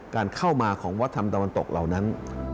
การเข้ามาของวัฒนธรรมตะวันตกเหล่านั้น